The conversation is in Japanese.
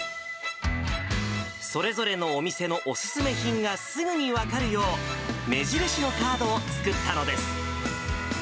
それぞれのお店のお勧め品がすぐに分かるよう、目印のカードを作ったのです。